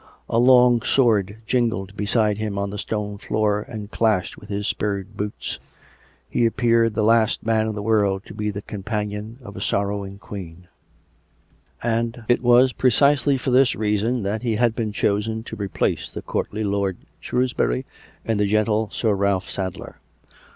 A long sword jingled beside him on the stone floor and clashed with his spurred boots. He appeared the last man in the world to be the companion of a sorrowing Queen; and it was precisely for this reason that he had been chosen to replace the courtly lord Shrewsbury and the gentle Sir Ralph Sadler.